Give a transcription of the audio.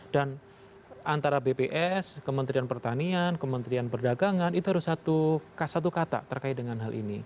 dan antara bps kementerian pertanian kementerian perdagangan itu harus satu kata terkait dengan hal ini